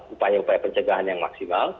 upaya upaya pencegahan yang maksimal